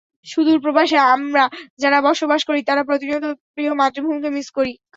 সুদূর প্রবাসে আমরা যারা বসবাস করি, তারা প্রতিনিয়ত প্রিয় মাতৃভূমিকে মিস করি।